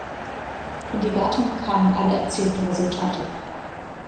In die Wertung kamen alle erzielten Resultate.